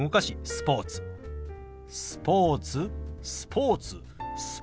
「スポーツ」「スポーツ」「スポーツ」。